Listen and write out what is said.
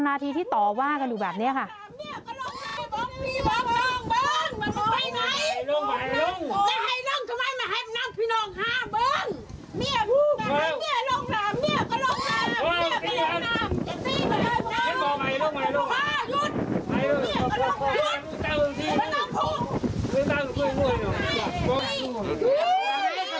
นาทีที่ตอบว่ากันอยู่แบบนี้ค่ะน้องข้า